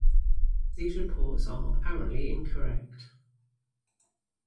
These reports are apparently incorrect.